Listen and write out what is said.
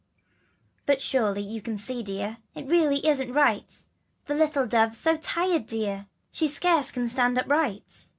And surely you can see dear, It really isn't right, The little dove's so tired dear, She scarce can stand upright.